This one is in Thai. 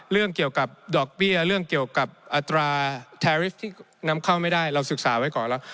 เรื่องเกี่ยวกับดอกเบี้ยเรื่องเกี่ยวกับอัตราแทริสที่นำเข้าไม่ได้เราศึกษาไว้ก่อนแล้ว